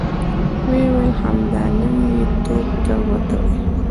ويې ويل: همدا نن يې توپ ته وتړئ!